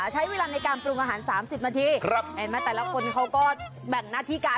ใช้เวลาในการปรุงอาหาร๓๐นาทีเห็นไหมแต่ละคนเขาก็แบ่งหน้าที่การ